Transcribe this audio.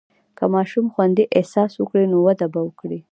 که ماشوم خوندي احساس وکړي، نو وده به وکړي.